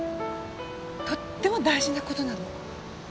とっても大事な事なの。